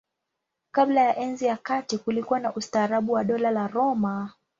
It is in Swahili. Kabla ya Enzi ya Kati kulikuwa na ustaarabu wa Dola la Roma.